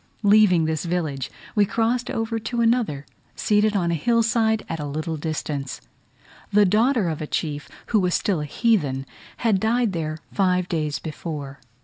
Leaving this village, we crossed over to another, seated on a hill side at a little distance. The daughter of a chief, who was still a heathen, had died there five days before.